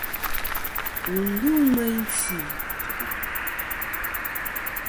Wù ndu meyn tì.